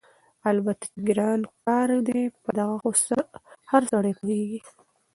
البته چې ګران کار دی په دغه خو هر سړی پوهېږي،